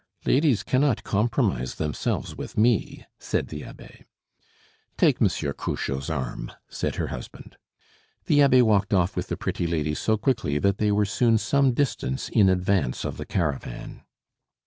"Ladies cannot compromise themselves with me," said the abbe. "Take Monsieur Cruchot's arm," said her husband. The abbe walked off with the pretty lady so quickly that they were soon some distance in advance of the caravan.